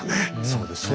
そうですね。